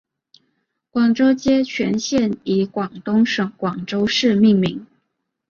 广州街全线以广东省广州市命名。